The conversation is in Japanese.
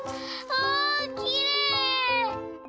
わあきれい！